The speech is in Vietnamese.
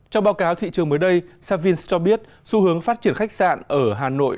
trong báo cáo thị trường mới đây savins cho biết xu hướng phát triển khách sạn ở hà nội